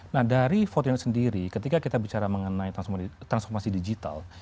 nah dari empat unit sendiri ketika kita bicara mengenai transformasi digital